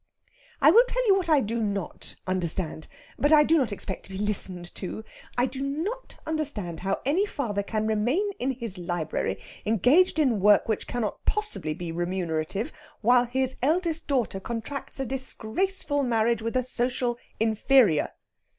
"I will tell you about what I do not understand. But I do not expect to be listened to. I do not understand how any father can remain in his library, engaged in work which cannot possibly be remunerative, while his eldest daughter contracts a disgraceful marriage with a social inferior."